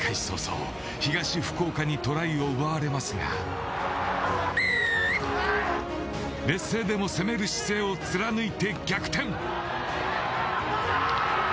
早々、東福岡にトライを奪われますが劣勢でも攻める姿勢を貫いて逆転。